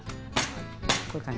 こういう感じ。